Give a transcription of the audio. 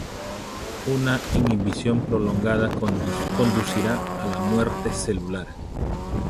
Una inhibición prolongada conducirá a la muerte celular.